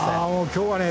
今日はね